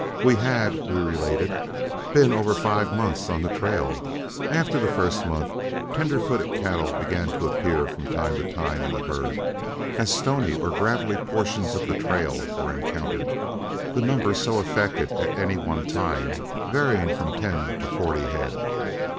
We had, we related, been over five months on the trail; after the first month, tender footed cattle began to appear from time to time in the herd, as stony or gravelly portions of the trail were encountered, the number so affected at any one time varying from ten to forty head.